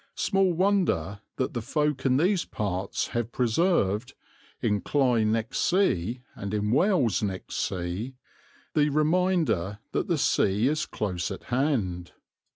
Small wonder that the folk in these parts have preserved, in Cley next Sea and in Wells next Sea, the reminder that the sea is close at hand.